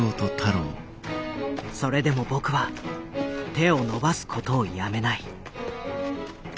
それでも僕は手を伸ばすことをやめない。